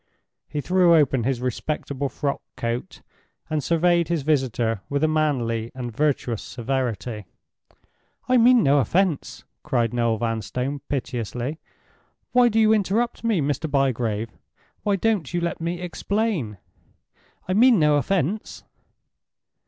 He threw open his respectable frock coat and surveyed his visitor with a manly and virtuous severity. "I mean no offense!" cried Noel Vanstone, piteously. "Why do you interrupt me, Mr. Bygrave? Why don't you let me explain? I mean no offense."